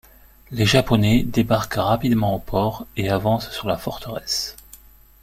Les Japonais débarquent rapidement au port et avancent sur la forteresse.